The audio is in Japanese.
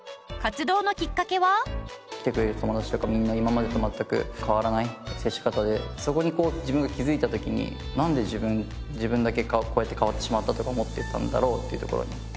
活動のきっかけは？来てくれる友達とかみんな今までと全く変わらない接し方でそこに自分が気づいた時になんで自分自分だけこうやって変わってしまったとか思ってたんだろうっていうところに。